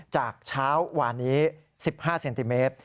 จากเช้าวานนี้๑๕เซนติเมตร